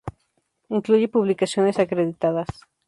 Incluye publicaciones acreditadas.